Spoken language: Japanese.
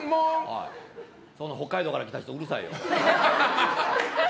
おい、北海道から来た人うるさいぞ。